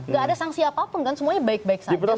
gak ada sangsi apa apa kan semuanya baik baik saja